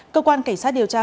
cơ quan cảnh sát điều tra